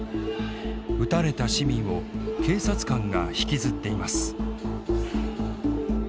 撃たれた市民を警察官が引きずっています。